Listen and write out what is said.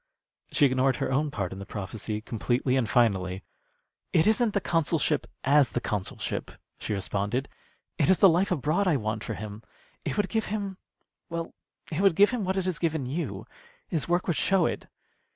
She ignored her own part in the prophecy completely and finally. "It isn't the consulship as the consulship," she responded. "It is the life abroad I want for him. It would give him well, it would give him what it has given you. His work would show it."